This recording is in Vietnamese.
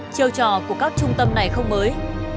chiêu trò của các trung tâm này không mới